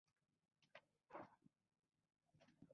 د روهیله افغانانو په زړونو کې ډار ولوېږي.